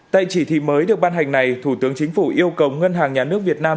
tại chỉ thị mới được ban hành này thủ tướng chính phủ yêu cầu ngân hàng nhà nước việt nam